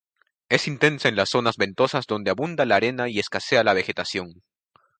Es intensa en las zonas ventosas donde abunda la arena y escasea la vegetación.